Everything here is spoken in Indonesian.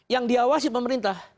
yang diawasi pemerintah